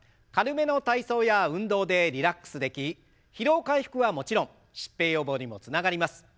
軽めの体操や運動でリラックスでき疲労回復はもちろん疾病予防にもつながります。